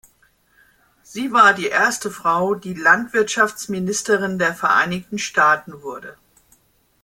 Sie war die erste Frau, die Landwirtschaftsministerin der Vereinigten Staaten wurde.